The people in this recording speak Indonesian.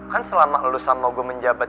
kan selama lo sama gue menjabat